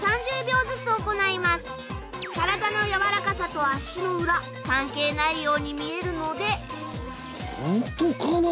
体の柔らかさと足の裏関係ないように見えるので。